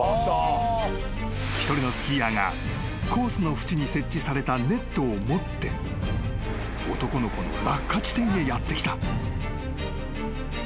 ［一人のスキーヤーがコースの縁に設置されたネットを持って男の子の落下地点へやって来た］